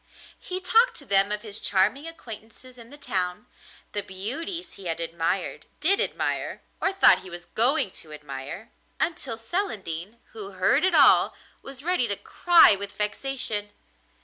He talked to them of his charming acquaintances in the town, the beauties he had admired, did admire, or thought he was going to admire, until Celandine, who heard it all, was ready to cry with vexation.